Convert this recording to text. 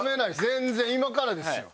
全然今からですよ。